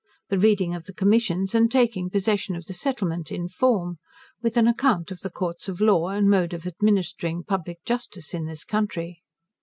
The reading of the Commissions, and taking Possession of the Settlement, in form. With an Account of the Courts of Law, and Mode of administering Public Justice in this Country.